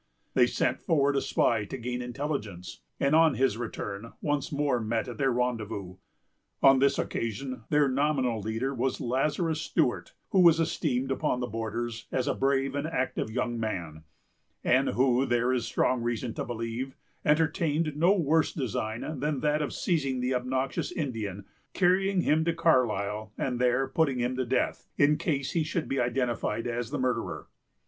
They sent forward a spy to gain intelligence, and, on his return, once more met at their rendezvous. On this occasion, their nominal leader was Lazarus Stewart, who was esteemed upon the borders as a brave and active young man; and who, there is strong reason to believe, entertained no worse design than that of seizing the obnoxious Indian, carrying him to Carlisle, and there putting him to death, in case he should be identified as the murderer.